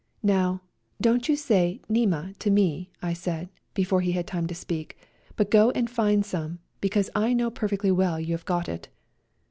" Now, don't you say ' Nema ' to me," I said, before he had time to speak, " but go and find some, because I know per fectly well you have got it."